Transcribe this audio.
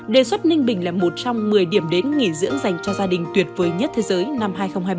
đề xuất ninh bình là một trong một mươi điểm đến nghỉ dưỡng dành cho gia đình tuyệt vời nhất thế giới năm hai nghìn hai mươi ba